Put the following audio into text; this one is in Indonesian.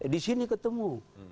di sini ketemu